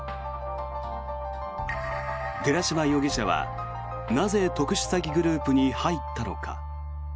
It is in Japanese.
寺島容疑者はなぜ、特殊詐欺グループに入ったのか。